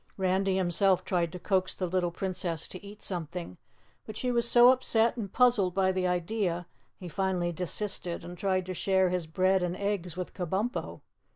Randy himself tried to coax the little Princess to eat something, but she was so upset and puzzled by the idea, he finally desisted and tried to share his bread and eggs with Kabumpo.